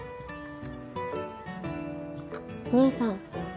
兄さん